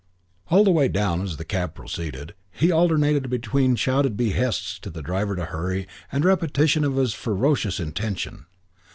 All the way down as the cab proceeded, he alternated between shouted behests to the driver to hurry and repetition of his ferocious intention.